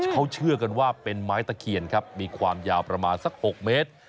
เขาเชื่อกันว่าเป็นไม้ตะเคียนครับมีความยาวประมาณสัก๖เมตร